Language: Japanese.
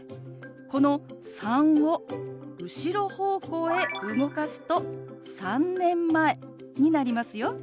この「３」を後ろ方向へ動かすと「３年前」になりますよ。